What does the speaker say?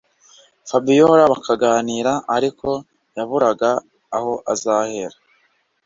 Fabiora bakaganira ariko yaburaga aho azahera